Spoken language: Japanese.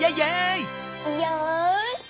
よし！